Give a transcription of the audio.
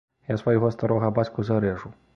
Я свайго старога бацьку зарэжу!